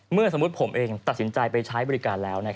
เมื่อสมมุติผมเองตัดสินใจไปใช้บริการแล้ว